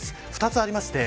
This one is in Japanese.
２つあります。